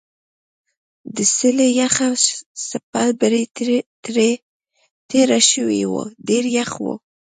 د څېلې یخه څپه برې تېره شوې وه ډېر یخ و.